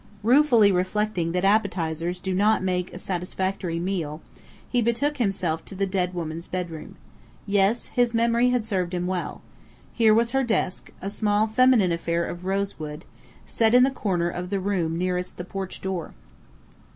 Ruefully reflecting that appetizers do not make a satisfactory meal he betook himself to the dead woman's bedroom.... Yes, his memory had served him well. Here was her desk a small feminine affair of rosewood, set in the corner of the room nearest the porch door.